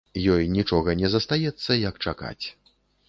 Ёй нічога не застаецца, як чакаць.